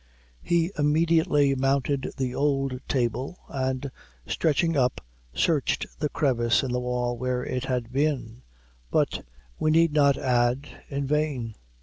He immediately mounted the old table, and, stretching up, searched the crevice in the wall where it had been, but, we need not add, in vain.